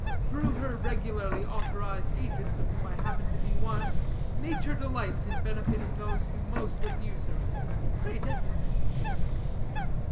Through her regularly authorized agents, of whom I happen to be one, Nature delights in benefiting those who most abuse her. Pray, take it."